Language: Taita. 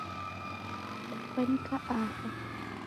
Dakwanyika aha